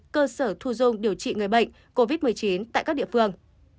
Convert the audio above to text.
cơ sở thu dung điều trị người bệnh covid một mươi chín tại các địa phương